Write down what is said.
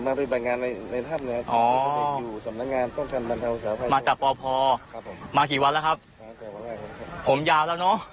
มาบริบัติงานในอ๋อมาจากครับผมมากี่วันแล้วครับผมยาวแล้วเนอะ